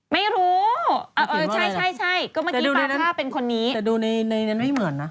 ไม่รู้เออใช่ใช่ก็เมื่อกี้ปลาท่าเป็นคนนี้แต่ดูในในนั้นไม่เหมือนนะ